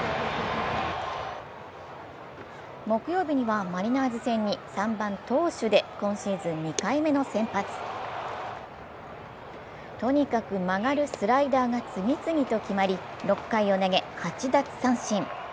木曜日にはマリナーズ戦に、３番・投手で今シーズン２回目の先発とにかく曲がるスライダーが次々と決まり６回を投げ８奪三振。